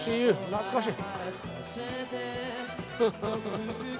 懐かしい。